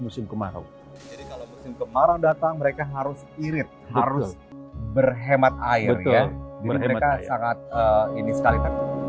musim kemarau kemarau datang mereka harus irit harus berhemat air betul mereka sangat ini sekali